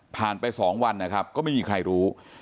ผ่านไป๒วันก็ไม่มีใครรู้